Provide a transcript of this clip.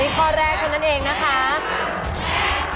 ข้อแรกเท่านั้นเองนะคะ